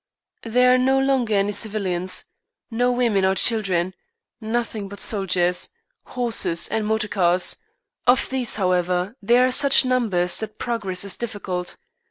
There are no longer any civilians, no women or children; nothing but soldiers, horses, and motor cars; of these, however, there are such numbers that progress is difficult.